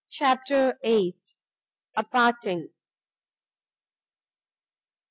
CHAPTER vii. A PARTING.